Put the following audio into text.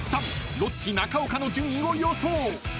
［ロッチ中岡の順位を予想］